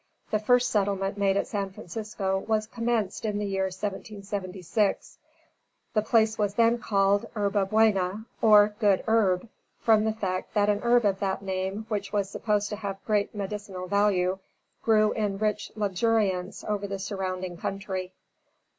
The first settlement made at San Francisco, was commenced in the year 1776. The place was then called Yerba Buena, or Good Herb, from the fact that an herb of that name, which was supposed to have great medicinal value, grew in rich luxuriance over the surrounding country.